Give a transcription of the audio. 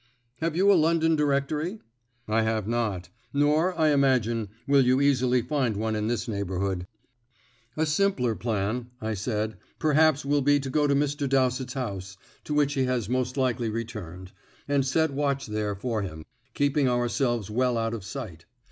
"Have you a 'London Directory'?" "I have not; nor, I imagine, will you easily find one in this neighbourhood." "A simpler plan," I said, "perhaps will be to go to Mr. Dowsett's house, to which he has most likely returned, and set watch there for him, keeping ourselves well out of sight.